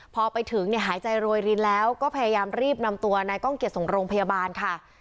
พอไปถึงเนี่ยหายใจโรยรินแล้วก็พยายามรีบนำตัวนายก้องเกียจส่งโรงพยาบาลค่ะ